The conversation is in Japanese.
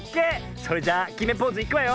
それじゃあきめポーズいくわよ。